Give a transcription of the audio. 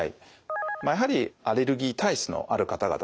やはりアレルギー体質のある方々ですね。